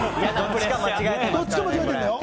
どっちかが間違えてんだよ。